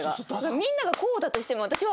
みんながこうだとしても私は。